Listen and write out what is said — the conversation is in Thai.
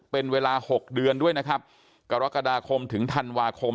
เป็นเวลา๖เดือนด้วยนะครับกรกฎาคมถึงธันวาคม